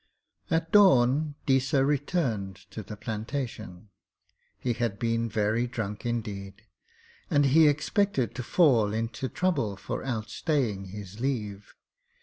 At dawn Deesa returned to the plantation. He had been very drunk indeed, and he expected to fall into trouble for outstaying his leave.